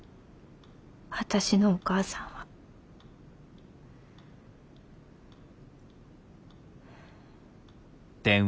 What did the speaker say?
私のお母さんは。はあ。